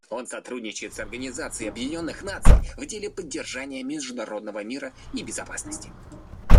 Он сотрудничает с Организацией Объединенных Наций в деле поддержания международного мира и безопасности.